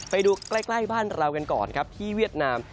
ไปดูใกล้บ้านเรากันก่อนครับที่เวียดนาม